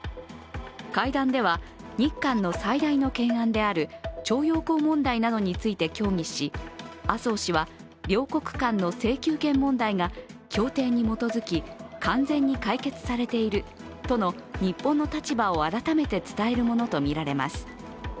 会談では日韓の最大の懸案である徴用工問題などについて協議し麻生氏は両国間の請求権問題が協定に基づき、完全に解決されているとの日本の立場を改めて伝えるものとみられます。